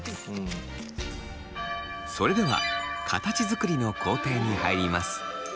それでは形作りの工程に入ります。